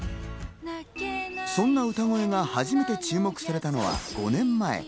そんな歌声が初めて注目されたのは５年前。